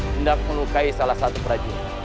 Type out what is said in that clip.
tidak melukai salah satu prajurit